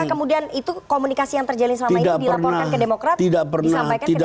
apakah kemudian itu komunikasi yang terjadi selama itu dilaporkan ke demokrat